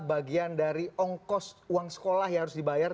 bagian dari ongkos uang sekolah yang harus dibayar